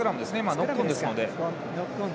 ノックオンですので。